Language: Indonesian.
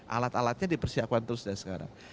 alat alatnya dipersiapkan terus dari sekarang